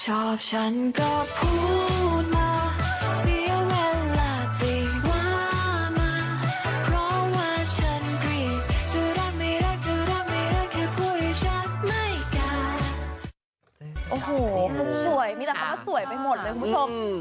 โอ้โหมีตรัสความสวยไปหมดเลยคุณผู้ชม